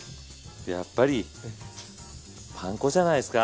やっぱりパン粉じゃないですか？